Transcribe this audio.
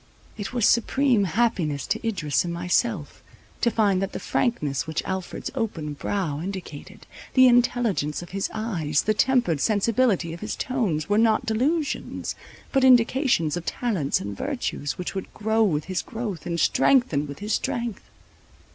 It was supreme happiness to Idris and myself, to find that the frankness which Alfred's open brow indicated, the intelligence of his eyes, the tempered sensibility of his tones, were not delusions, but indications of talents and virtues, which would "grow with his growth, and strengthen with his strength."